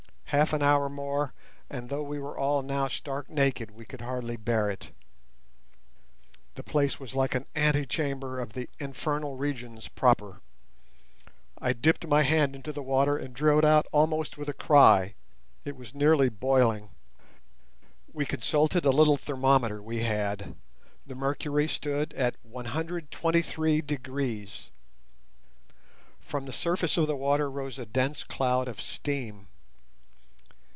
Half an hour more, and though we were all now stark naked, we could hardly bear it. The place was like an antechamber of the infernal regions proper. I dipped my hand into the water and drew it out almost with a cry; it was nearly boiling. We consulted a little thermometer we had—the mercury stood at 123 degrees. From the surface of the water rose a dense cloud of steam.